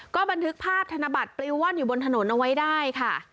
ก็บันทึกภาพธนบัตรปลิวว่อนอยู่บนถนนเอาไว้ได้ค่ะ